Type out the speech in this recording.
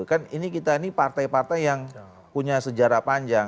kan ini kita ini partai partai yang punya sejarah panjang